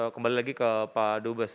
kembali lagi ke pak dubes